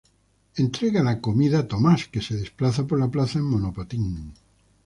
La comida es entregada por Tomás, que se desplaza por la plaza en monopatín.